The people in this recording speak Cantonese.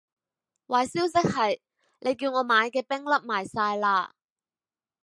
壞消息係，你叫我買嘅冰粒賣晒喇